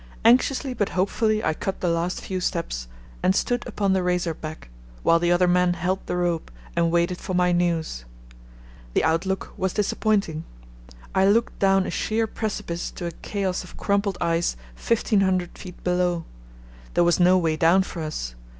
Anxiously but hopefully I cut the last few steps and stood upon the razor back, while the other men held the rope and waited for my news. The outlook was disappointing. I looked down a sheer precipice to a chaos of crumpled ice 1500 ft. below. There was no way down for us.